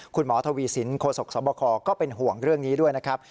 คุณหมอทวีสินโฆษกสบคก็เป็นห่วงเรื่องนี้ด้วยนะครับ